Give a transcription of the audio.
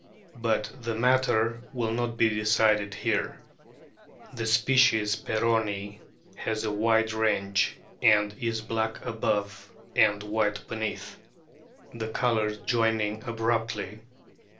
But the matter will not be decided here. The species peronii has a wide range, and is black above and white beneath, the colours joining abruptly.